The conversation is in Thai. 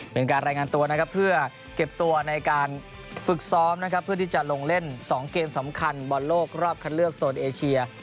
เป็นการรายงานตัวนะครับเพื่อเก็บตัวในการฝึกซ้อมนะครับเพื่อที่จะลงเล่น๒เกมสำคัญบอลโลกรอบคัดเลือกโซนเอเชีย